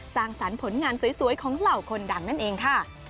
สร้างสรรค์ผลงานสวยของเหล่าคนดังนั่นเองค่ะ